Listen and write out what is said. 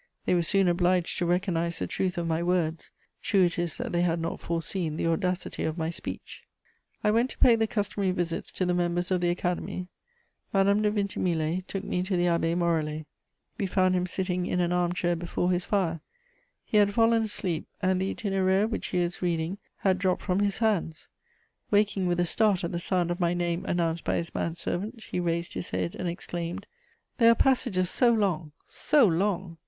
They were soon obliged to recognise the truth of my words: true it is that they had not foreseen the audacity of my speech. I went to pay the customary visits to the members of the Academy. Madame de Vintimille took me to the Abbé Morellet. We found him sitting in an arm chair before his fire; he had fallen asleep, and the Itinéraire, which he was reading, had dropped from his hands. Waking with a start at the sound of my name announced by his man servant, he raised his head and exclaimed: "There are passages so long, so long!"